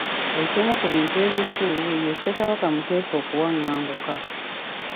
Ekimu ku bintu ebikulu ye Ssekabaka Muteesa okuwaŋŋanguka.